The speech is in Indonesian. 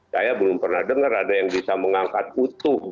saya belum pernah dengar ada yang bisa mengangkat utuh